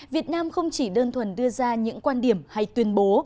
việt nam không chỉ đơn thuần đưa ra những quan điểm hay tuyên bố